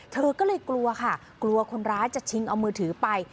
เธอก็เลยกลัวค่ะกลัวคนร้ายจะชิงเอามือถือไป